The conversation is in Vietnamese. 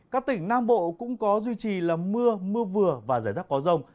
các tỉnh nam bộ cũng có duy trì là mưa mưa vừa và rải rác có rông